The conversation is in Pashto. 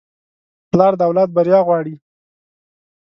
پلار د اولاد بریا غواړي.